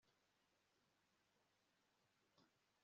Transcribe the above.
uwiteka avuga ati “nonkeje abana ndabarera